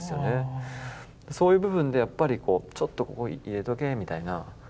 そういう部分でやっぱりこうちょっとここ入れとけみたいな